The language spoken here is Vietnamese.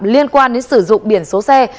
liên quan đến sử dụng biển số xe